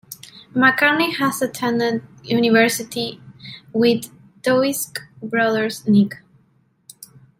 McCarthy had attended university with Toksvig's brother, Nick.